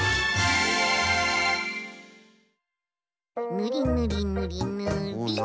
ぬりぬりぬりぬりっと。